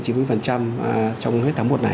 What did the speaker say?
trong hết tháng một này